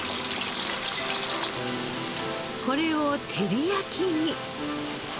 これを照り焼きに。